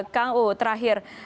kang u terakhir